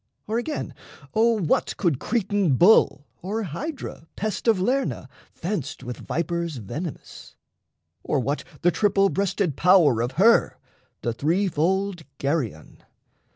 Or, again, O what could Cretan Bull, or Hydra, pest Of Lerna, fenced with vipers venomous? Or what the triple breasted power of her The three fold Geryon...